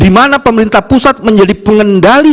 dimana pemerintah pusat menjadi pengendali